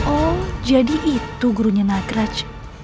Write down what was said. oh jadi itu gurunya nagraj